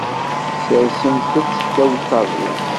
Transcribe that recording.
Sersemt-tt ddaw ṭṭabla.